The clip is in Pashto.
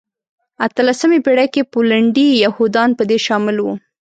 اتلمسې پېړۍ کې پولنډي یهودان په دې شامل وو.